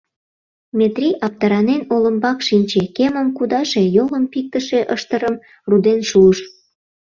Метрий, аптыранен, олымбак шинче, кемым кудаше, йолым пиктыше ыштырым руден шуыш.